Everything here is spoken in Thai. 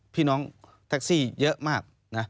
พี่น้องแท็กซี่เยอะมากนะ